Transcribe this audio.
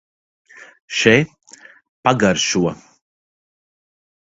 Še, pagaršo!